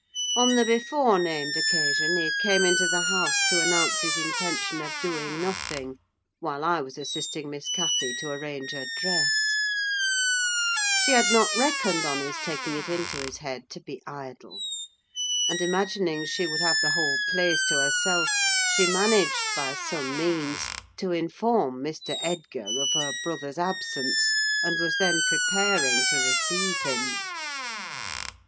On the before named occasion he came into the house to announce his intention of doing nothing, while I was assisting Miss Cathy to arrange her dress: she had not reckoned on his taking it into his head to be idle; and imagining she would have the whole place to herself, she managed, by some means, to inform Mr. Edgar of her brother's absence, and was then preparing to receive him.